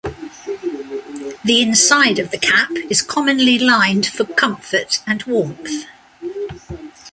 The inside of the cap is commonly lined for comfort and warmth.